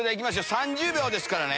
３０秒ですから。